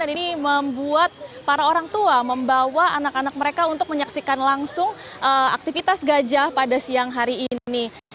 dan ini membuat para orang tua membawa anak anak mereka untuk menyaksikan langsung aktivitas gajah pada siang hari ini